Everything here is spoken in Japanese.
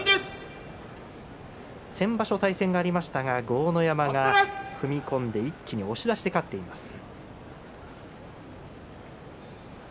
先場所、対戦がありましたが豪ノ山が踏み込んで一気に押し出して勝っています。